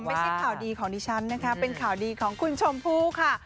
ไม่ใช่ข่าวดีของดิฉันนะคะเป็นข่าวดีของคุณชมพู่ค่ะ